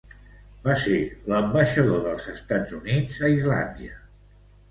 Va ser l'ambaixador dels Estats Units a Islàndia.